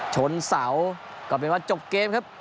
ชนเสาก็เป็นว่าจบเกมครับ